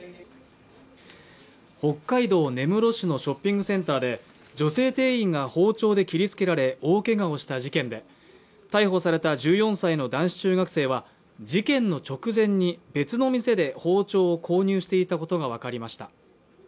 北海道根室市のショッピングセンターで、女性店員が包丁で切りつけられ、大けがをした事件で逮捕された１４歳の男子中学生は事件の直前に別の店で包丁を購入していたことが分かりました。